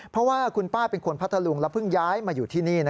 เพราะว่าคุณป้าเป็นคนพัทธลุงแล้วเพิ่งย้ายมาอยู่ที่นี่